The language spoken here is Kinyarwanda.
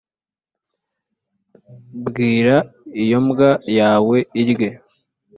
bwira iyo mbwa yawe irye